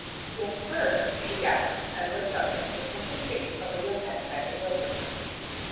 "Yes, sir," she gasped, and looked up into the pleasant face of a young man bending over her.